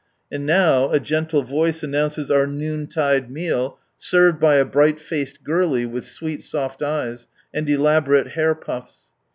^| And now a gentle voice announces our noontide meal, served by a bright faced girlie with sweet soft eyes, and elaborate hair puffs.